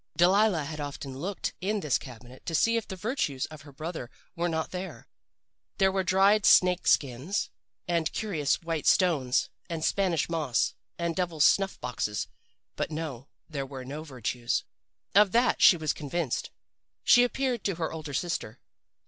Delilah had often looked in this cabinet to see if the virtues of her brother were not there. There were dried snake skins, and curious white stones, and Spanish moss, and devil's snuff boxes but no, there were no virtues. Of that she was convinced. She appealed to her older sister.